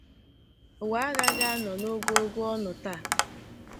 ụwa agaghị anọ n’ogogo ọ nọ taa